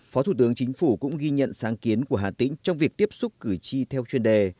phó thủ tướng chính phủ cũng ghi nhận sáng kiến của hà tĩnh trong việc tiếp xúc cử tri theo chuyên đề